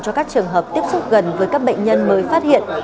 cho các trường hợp tiếp xúc gần với các bệnh nhân mới phát hiện